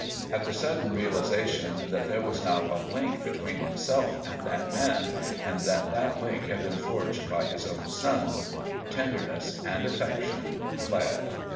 At the sudden realisation that there was now a link between himself and that man, and that that link had been forged by his own son, tenderness and affection fled.